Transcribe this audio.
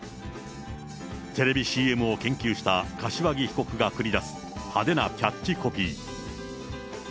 テレビＣＭを研究した柏木被告が繰り出す派手なキャッチコピー。